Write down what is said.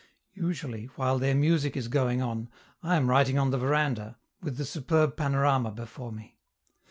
Usually, while their music is going on, I am writing on the veranda, with the superb panorama before me.